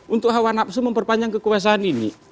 untuk hawa nafsu memperpanjang kekuasaan ini